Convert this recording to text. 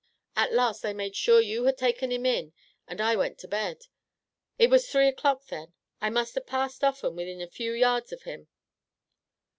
At last I made sure you had taken him in and I went to bed. It was three o'clock then. I must have passed often, wi'in a few yards of him."